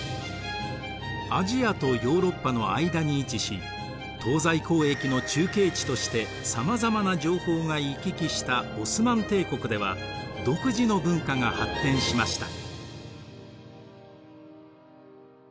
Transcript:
アジアとヨーロッパの間に位置し東西交易の中継地としてさまざまな情報が行き来したオスマン帝国では独自の文化が発展しました。